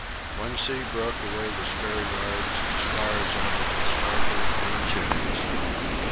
One sea broke away the spare yards and spars out of the starboard main chains.